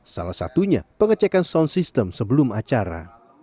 salah satunya pengecekan sound system sebelum acara